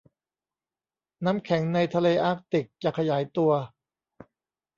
น้ำแข็งในทะเลอาร์กติกจะขยายตัว